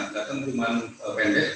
datang rumahan pendek